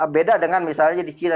beda dengan misalnya di china